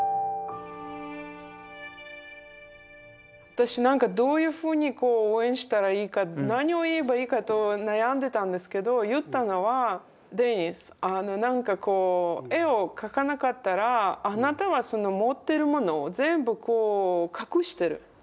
私なんかどういうふうにこう応援したらいいか何を言えばいいかと悩んでたんですけど言ったのはデニスなんかこう絵を描かなかったらあなたはその持ってるものを全部こう隠してる人に見せない。